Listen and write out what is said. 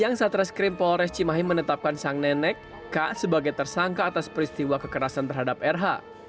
yang saat reskrim polres cimahi menetapkan sang nenek k sebagai tersangka atas peristiwa kekerasan terhadap rh